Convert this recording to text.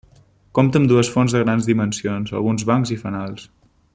Compta amb dues fonts de grans dimensions, alguns bancs i fanals.